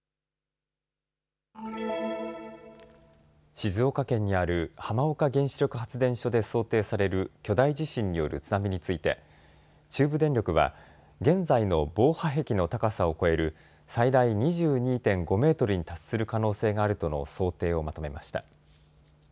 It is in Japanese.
静岡県にある浜岡原子力発電所で想定される巨大地震による津波について中部電力は現在の防波壁の高さを超える最大２２．５メートルに達する可能性があるとの想定をまとめました。